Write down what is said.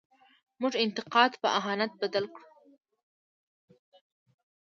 موږ انتقاد په اهانت بدل کړو.